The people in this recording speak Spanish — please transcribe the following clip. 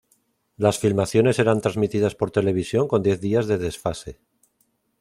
Las filmaciones eran transmitidas por televisión con diez días de desfase.